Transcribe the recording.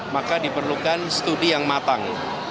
maka diperlukan studi yang matang